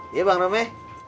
ya bang rome